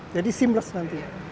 jadi seamless nanti